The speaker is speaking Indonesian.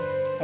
di depan mama